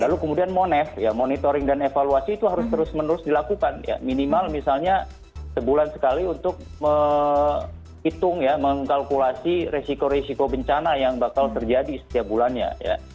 lalu kemudian monef ya monitoring dan evaluasi itu harus terus menerus dilakukan ya minimal misalnya sebulan sekali untuk menghitung ya mengkalkulasi resiko resiko bencana yang bakal terjadi setiap bulannya ya